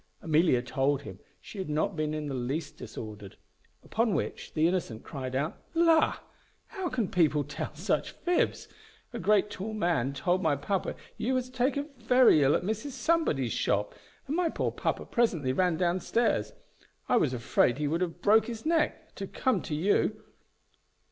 Amelia told him she had not been in the least disordered. Upon which the innocent cried out, "La! how can people tell such fibs? a great tall man told my papa you was taken very ill at Mrs. Somebody's shop, and my poor papa presently ran down stairs: I was afraid he would have broke his neck, to come to you."